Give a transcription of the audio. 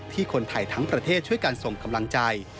คนไทยทั้งประเทศช่วยกันส่งกำลังใจ